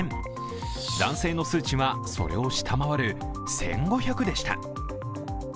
男性の数値はそれを下回る１５００でした。